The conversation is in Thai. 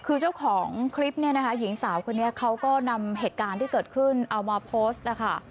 คือเจ้าของคลิปเนี่ยนะคะหญิงสาวคนนี้เขาก็นำเหตุการณ์ที่เกิดขึ้นเอามาโพสต์นะคะ